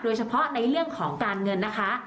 โดยเฉพาะในเรื่องของการเงินนะคะ